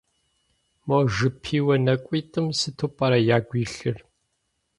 Мо жыпиуэ нэкӏуитӏым сыту пӏэрэ ягу илъыр?